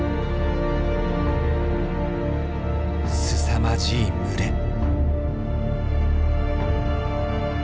すさまじい群れ。